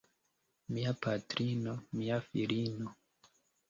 Mia patrino, mia filino.